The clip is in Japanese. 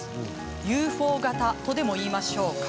ＵＦＯ形とでもいいましょうか。